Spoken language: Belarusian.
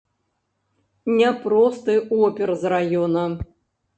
Не просты опер з раёна.